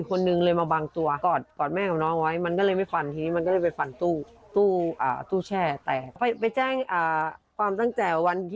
คือเด็ก๑๑ขวบนะคะปล้าหาดมาก